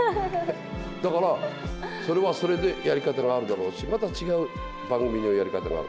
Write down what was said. だから、それはそれでやり方があるだろうし、また違う番組のやり方がある。